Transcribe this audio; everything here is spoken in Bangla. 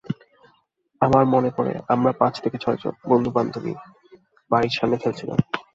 আমার মনে পড়ে আমরা পাঁচ থেকে ছয়জন বন্ধুবান্ধবী বাড়ির সামনে খেলছিলাম।